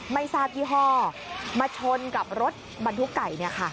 ไมซาธิฮอร์มาชนกับรถบรรทุกไก่